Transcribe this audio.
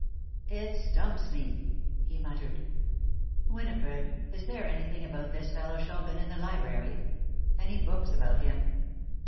"It stumps me!" he muttered. "Winifred, is there anything about this fellow Chopin in the library? Any books about him?"